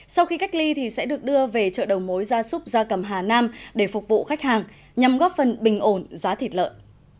sau khi cách ly thì sẽ được đưa về chợ đầu mối gia súc gia cầm hà nam để phục vụ khách hàng nhằm góp phần bình ổn giá thịt lợn